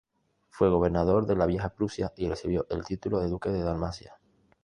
Fue gobernador de la vieja Prusia y recibió el título de duque de Dalmacia.